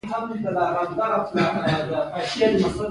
کروندګر د کښت په ښه والي بوخت دی